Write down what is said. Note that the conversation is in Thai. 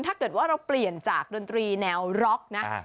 ถ้าเกิดว่าเราเปลี่ยนจากดนตรีแนวน่าพิเศษค่ะ